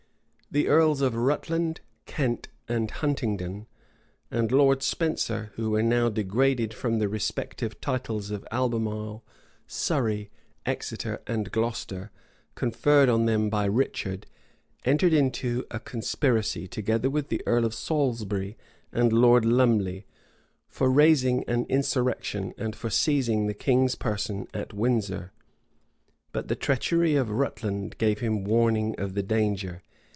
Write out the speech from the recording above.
The earls of Rutland, Kent, and Huntingdon, and Lord Spenser, who were now degraded from the respective titles of Albemarle, Surrey, Exeter, and Glocester, conferred on them by Richard, entered into a conspiracy, together with the earl of Salisbury and Lord Lumley, for raising an insurrection, and for seizing the king's person at Windsor;[*] but the treachery of Rutland gave him warning of the danger.